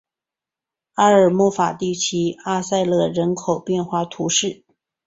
埃尔穆瓦地区拉塞勒人口变化图示